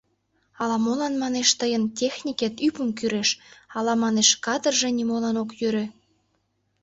Ала-молан, манеш, тыйын «техникет» ӱпым кӱреш, ала, манеш, «кадрже» нимолан ок йӧрӧ.